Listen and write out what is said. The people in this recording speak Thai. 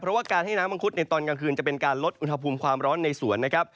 เพราะว่าการให้น้ำมังคุดในตอนกลางคืนจะเป็นการลดอุณหภูมิความร้อนในสวนนะครับ